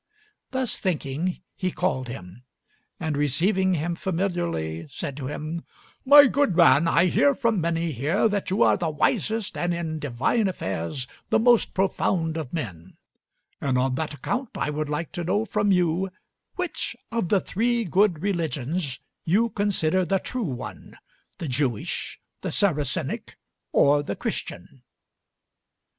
Thus thinking, he called him, and receiving him familiarly, said to him: "My good man, I hear from many here that you are the wisest and in divine affairs the most profound of men, and on that account I would like to know from you which of the three good religions you consider the true one: the Jewish, the Saracenic, or the Christian?"